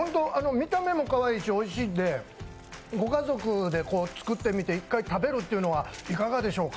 見た目もかわいいしおいしいんでご家族で作ってみて一回食べるというのはいかがでしょうか？